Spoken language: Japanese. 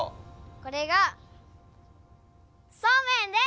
これがそうめんです！